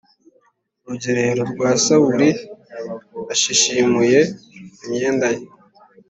rugerero rwa Sawuli ashishimuye imyenda ye